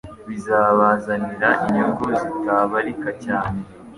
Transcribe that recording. bizabazanira inyungu zitabarika cyane